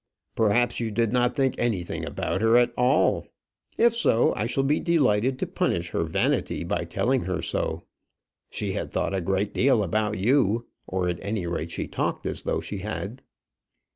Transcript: "Perhaps you did not think anything about her at all. If so, I shall be delighted to punish her vanity by telling her so. She had thought a great deal about you; or, at any rate, she talked as though she had."